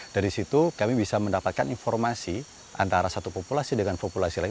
dari situ kami bisa mendapatkan informasi antara satu populasi dengan populasi lain